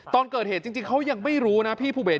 ตอนเกิดเหตุจริงเขายังไม่รู้นะพี่ภูเดช